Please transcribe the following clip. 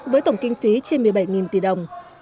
với tổng kinh phí trên một mươi bảy tỷ đồng